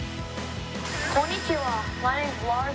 こんにちは。